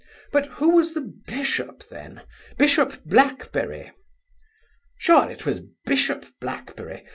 But who was the Bishop then! Bishop Blackberry Sure it was bishop Blackberry.